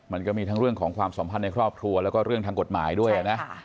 มันก็มีทั้งเรื่องของความสัมพันธ์ในครอบครัวแล้วก็เรื่องทางกฎหมายด้วยนะ